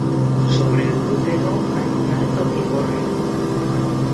Sobre el crucero hay un alto cimborrio.